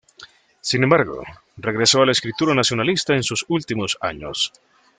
Sin embargo, regresó a la escritura nacionalista en sus últimos años.